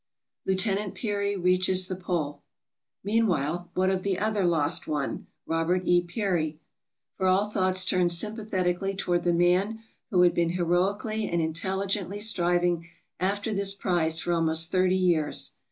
Lieutenant Peary Reaches the Pole Meanwhile, what of the other lost one — Robert E. Peary? For all thoughts turned sympathetically toward the man who had been heroically and intelligently striving after this prize for almost thirty years.